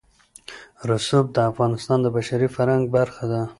رسوب د افغانستان د بشري فرهنګ برخه ده.